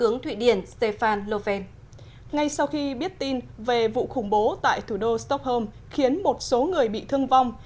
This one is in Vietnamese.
ngay sau khi biết tin về vụ khủng bố tại thủ đô stockholm khiến một số người bị thương vong